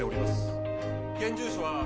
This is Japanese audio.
現住所は。